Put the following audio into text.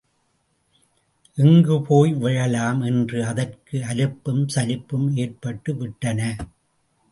எங்குப் போய் விழலாம் என்று அதற்கு அலுப்பும் சலிப்பும் ஏற்பட்டுவிட்டன.